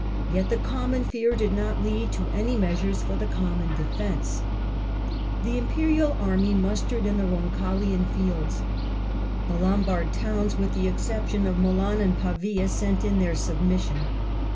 Yet the common fear did not lead to any measures for the common defence. The imperial army mustered in the Eoncaglian fields. The Lombard towns, with the exception of His progress ^^^^^^^ Pavia, scut in their submission.